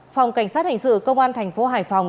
phòng cảnh sát hình sự công an thành phố hải phòng